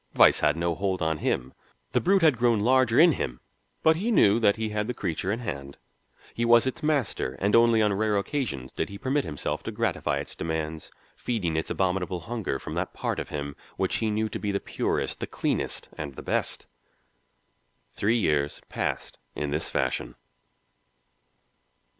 Vice had no hold on him. The brute had grown larger in him, but he knew that he had the creature in hand. He was its master, and only on rare occasions did he permit himself to gratify its demands, feeding its abominable hunger from that part of him which he knew to be the purest, the cleanest, and the best. Three years passed in this fashion.